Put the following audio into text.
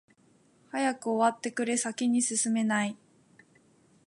早く終わってくれ、先に進めない。